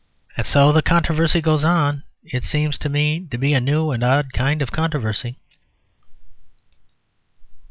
And so the controversy goes on. It seems to me to be a new and odd kind of controversy.